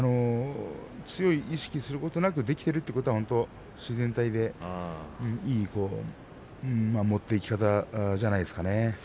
強く意識することなくできているということは自然体でいい持っていき方なんじゃないでしょうかね。